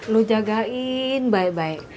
lu jagain baik baik